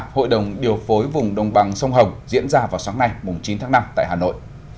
hội đồng điều phối vùng đồng bằng sông hồng diễn ra vào sáng nay chín tháng năm tại hà nội